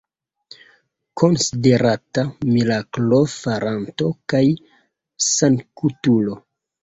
Konsiderata miraklo-faranto kaj sanktulo.